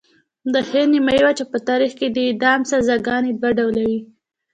د هند د نیمې وچې په تاریخ کې د اعدام سزاګانې دوه ډوله وې.